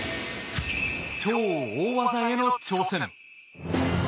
超大技への挑戦！